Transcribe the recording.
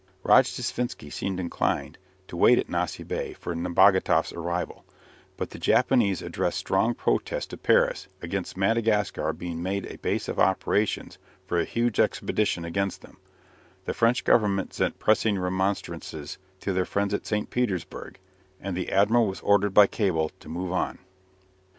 Rojdestvensky seemed inclined to wait at Nossi Bé for Nebogatoff's arrival, but the Japanese addressed strong protests to Paris against Madagascar being made a base of operations for a huge expedition against them; the French Government sent pressing remonstrances to their friends at St. Petersburg, and the admiral was ordered by cable to move on.